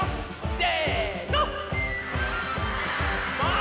せの！